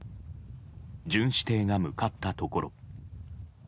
巡視艇が向かったところ。